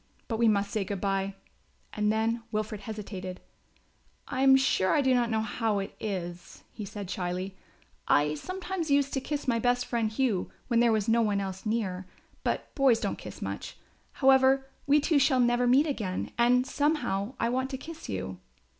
But we must say good bye," and then Wilfred hesitated, "I am sure I do not know how it is," he said shyly, "I sometimes used to kiss my best friend, Hugh, when there was no one else near; but boys don't kiss much. However, we two shall never meet again and somehow I want to kiss you."